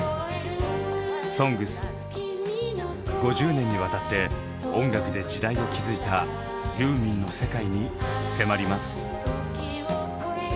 「ＳＯＮＧＳ」５０年にわたって音楽で時代を築いたユーミンの世界に迫ります。